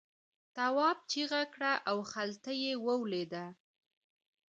تواب چیغه کړه او خلته یې ولوېده.